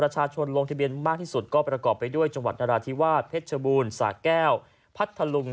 จบูลสาแก้วพัทธลุง